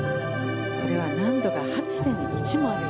これは難度が８．１もある